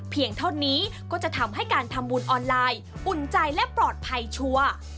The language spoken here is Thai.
เท่านี้ก็จะทำให้การทำบุญออนไลน์อุ่นใจและปลอดภัยชัวร์